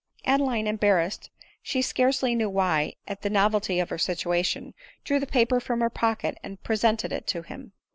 1 Adeline embarrassed, she scarcely knew why, at the novelty of her situation, drew the paper from her pocket, and presented it to him.